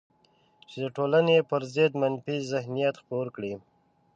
چې د ټولنې پر ضد منفي ذهنیت خپور کړي